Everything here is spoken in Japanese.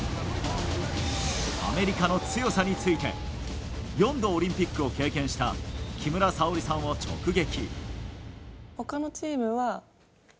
アメリカの強さについて４度オリンピックを経験した木村沙織さんを直撃。